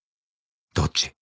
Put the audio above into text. どっち？